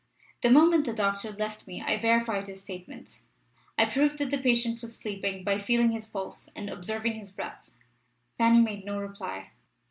The moment the doctor left me I verified his statements. I proved that the patient was sleeping by feeling his pulse and observing his breath." Fanny made no reply.